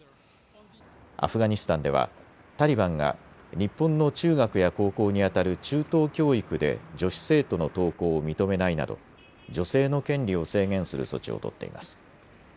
アフガニスタンではタリバンが日本の中学や高校にあたる中等教育で女子生徒の登校を認めないなど女性の権利を制限する措置を取っています。